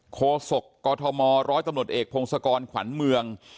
โศกกธมร้อยตำรวจเอกพงศกรขวัญเมือง